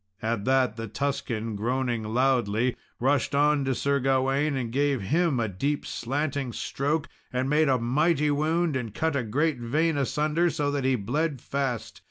At that the Tuscan, groaning loudly, rushed on to Sir Gawain, and gave him a deep slanting stroke, and made a mighty wound and cut a great vein asunder, so that he bled fast.